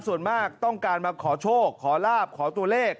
ส่วนมากต้องการมาขอโชคขอลาบขอตัวเลข